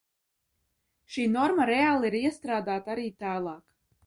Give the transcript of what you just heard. Šī norma reāli ir iestrādāta arī tālāk.